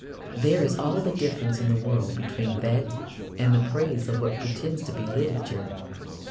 There is all the difference in the world between that and the praise of what pretends to be literature.